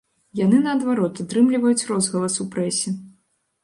Яны, наадварот, атрымліваюць розгалас у прэсе.